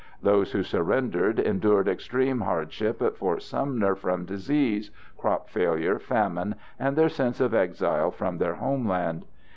Those who surrendered endured extreme hardship at Fort Sumner from disease, crop failure, famine, and their sense of exile from their homeland.